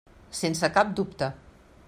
Sense cap dubte.